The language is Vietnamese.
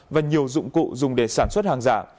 và nhiều dụng cụ dùng để sản xuất hàng giả